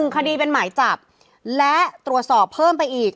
คดีเป็นหมายจับและตรวจสอบเพิ่มไปอีก